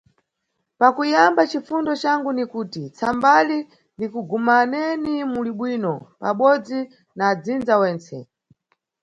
Pakuyamba, cifundo cangu ni kuti tsambali likugumaneni muli bwino pabodzi na adzinza wentse.